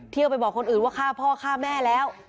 เอาไปบอกคนอื่นว่าฆ่าพ่อฆ่าแม่แล้ว